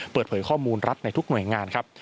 เปิดเผยข้อมูลรัฐในทุกหน่วยงานครับ